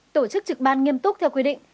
tổ chức trực ban nghiêm túc theo quy định